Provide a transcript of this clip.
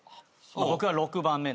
僕は６番目なんで。